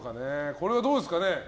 これはどうですかね。